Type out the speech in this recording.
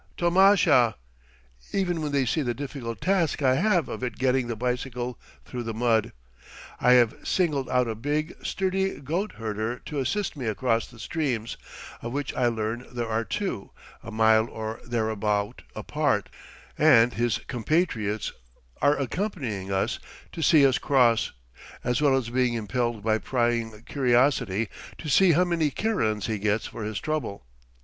tomasha!" even when they see the difficult task I have of it getting the bicycle through the mud. I have singled out a big, sturdy goat herder to assist me across the streams, of which I learn there are two, a mile or thereabout apart, and his compatriots are accompanying us to see us cross, as well as being impelled by prying curiosity to see how many kerans he gets for his trouble.